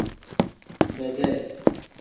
Bedee.